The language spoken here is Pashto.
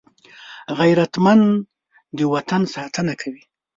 غیرتمند د وطن ساتنه کوي